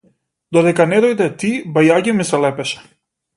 Додека не дојде ти, бајаги ми се лепеше.